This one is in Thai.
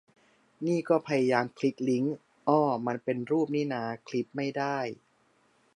นี่ก็พยายามคลิกลิงก์ เอ้อ มันเป็นรูปนี่นา คลิปไม่ได้